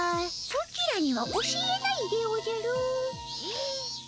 ソチらには教えないでおじゃる。